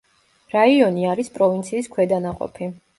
რაიონი არის პროვინციის ქვედანაყოფი.